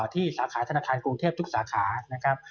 สาขาธนาคารกรุงเทพทุกสาขานะครับ